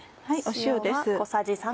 塩です。